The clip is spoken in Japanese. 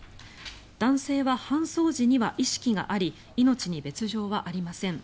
男性は搬送時には意識があり命に別条はありません。